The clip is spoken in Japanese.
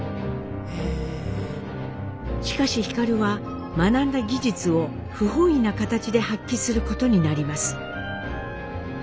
しかし皓は学んだ技術を不本意な形で発揮することになります。